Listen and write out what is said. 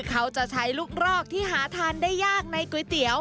เขาจะใช้ลูกรอกที่หาทานได้ยากในก๋วยเตี๋ยว